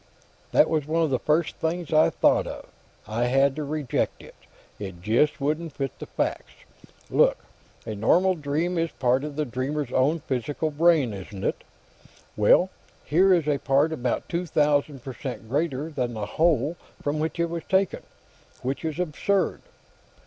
"That was one of the first things I thought of. I had to reject it; it just wouldn't fit the facts. Look; a normal dream is part of the dreamer's own physical brain, isn't it? Well, here is a part about two thousand per cent greater than the whole from which it was taken. Which is absurd."